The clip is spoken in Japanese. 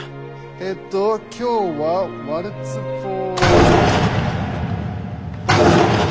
えっと今日は「ワルツ・フォー」。